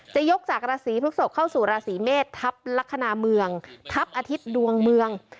จะยกจากราศีพฤกษกเข้าสู่ราศีเมษทัพลักษณะเมืองทัพอาทิตย์ดวงเมือง